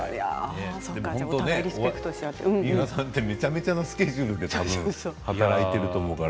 水卜さんってめちゃめちゃなスケジュールで働いていると思いますから。